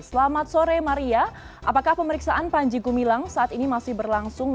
selamat sore maria apakah pemeriksaan panji gumilang saat ini masih berlangsung